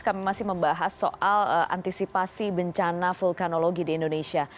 kami masih membahas soal antisipasi bencana vulkanologi di indonesia